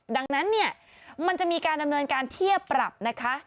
ดังนั้นเนี่ยมันจะมีการดำเนินการเทียบปรับนะคะ